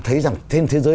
thấy rằng trên thế giới